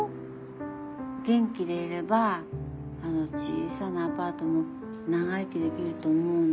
元気でいればあの小さなアパートも長生きできると思うの。